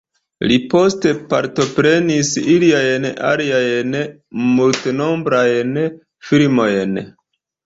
Li poste partoprenis iliajn aliajn multnombrajn filmojn.